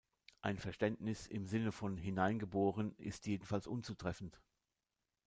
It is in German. Ein Verständnis im Sinne von „hineingeboren“ ist jedenfalls unzutreffend.